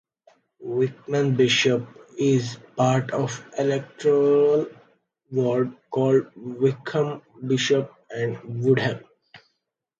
Wickham Bishops is part of the electoral ward called Wickham Bishops and Woodham.